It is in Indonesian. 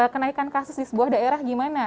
kenaikan kasus di sebuah daerah gimana